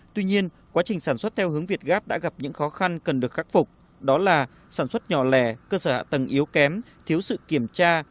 tuy nhiên quá trình sản xuất theo hướng việt gáp đã gặp những khó khăn cần được khắc phục đó là sản xuất nhỏ lẻ cơ sở hạ tầng yếu kém thiếu sự kiểm tra